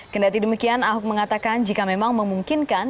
kendati demikian ahok mengatakan jika memang memungkinkan